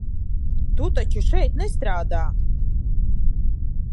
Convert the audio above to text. Tu taču šeit nestrādā?